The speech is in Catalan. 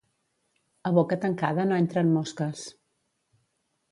A boca tancada no entren mosques